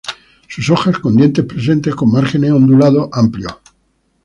Sus hojas con dientes presentes con márgenes ondulados amplios.